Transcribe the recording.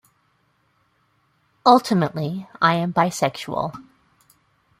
Ultimately, I'm bisexual.